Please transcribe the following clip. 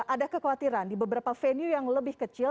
ada kekhawatiran di beberapa venue yang lebih kecil